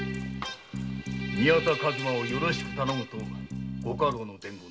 「宮田数馬をよろしく頼む」と御家老の伝言だ。